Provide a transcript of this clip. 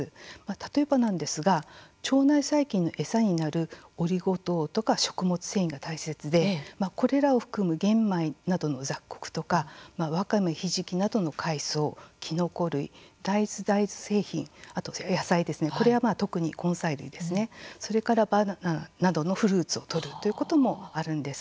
例えばなんですが腸内細菌の餌になるオリゴ糖とか食物繊維が大切で、これらを含む玄米などの雑穀とかわかめ、ひじきなどの海藻きのこ類、大豆、大豆製品あと野菜です、これは特に根菜類それからバナナなどのフルーツをとるということもあるんです。